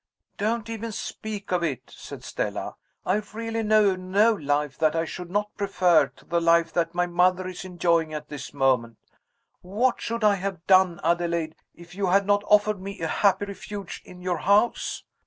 "Don't even speak of it!" said Stella. "I really know no life that I should not prefer to the life that my mother is enjoying at this moment. What should I have done, Adelaide, if you had not offered me a happy refuge in your house?